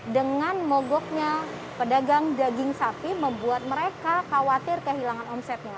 dengan mogoknya pedagang daging sapi membuat mereka khawatir kehilangan omsetnya